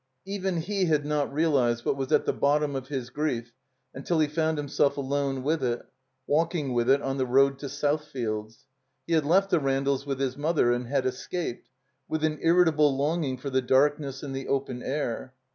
Even he had not realized what was at the bottom of his grief imtil he fotmd himself alone with it, walkhig with it on the road to Southfields. He had left the Randalls with his mother and had escaped, with an irritable longing for the darkness and the open air.